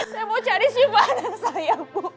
saya mau cari syifa anak saya bu